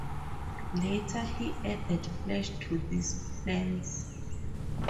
Later, he added flesh to these plans.